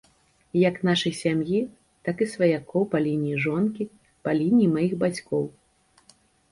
Як нашай сям'і, так і сваякоў па лініі жонкі, па лініі маіх бацькоў.